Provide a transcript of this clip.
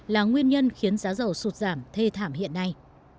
là nguyên nhân khiến giá dầu sụt giảm thê thảm hiện nay